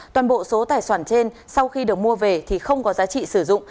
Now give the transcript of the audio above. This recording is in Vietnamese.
toàn bộ số tài soản trên sau khi được mua về thì không có giá trị sử dụng